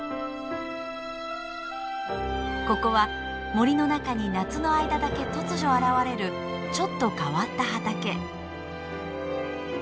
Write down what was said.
ここは森の中に夏の間だけ突如現れるちょっと変わった畑。